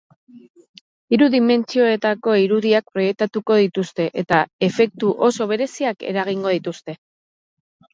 Hiru dimentsioetako irudiak proiektatuko dituzte eta efektu oso bereziak eragingo dituzte.